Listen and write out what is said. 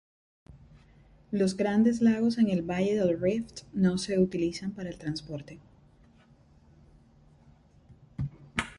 Los grandes lagos en el valle del Rift no se utilizan para el transporte.